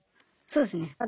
そうですね